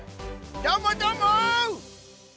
どーも、どーも！